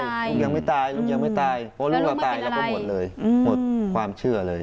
แล้วลูกเราตายแล้วก็หมดเลยหมดความเชื่อเลย